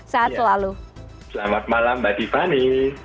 selamat malam mbak tiffany